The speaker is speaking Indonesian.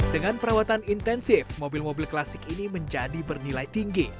dengan perawatan intensif mobil mobil klasik ini menjadi bernilai tinggi